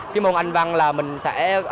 cái môn anh văn là mình sẽ